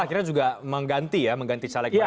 akhirnya juga mengganti ya mengganti caleg mereka